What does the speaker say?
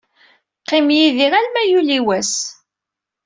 Qqim yid-i arma yuley wass.